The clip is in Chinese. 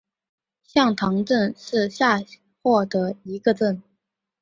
向塘镇是下辖的一个镇。